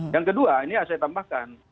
yang kedua ini yang saya tambahkan